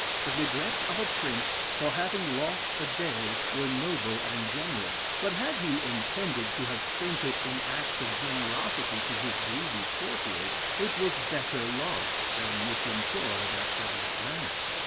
The regrets of a prince, for having lost a day, were noble and generous; but had he intended to have spent it in acts of generosity to his greedy courtiers, it was better lost than misemployed after that manner....